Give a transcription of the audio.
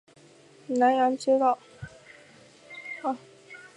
南阳街道